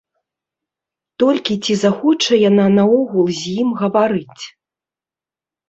Толькі ці захоча яна наогул з ім гаварыць?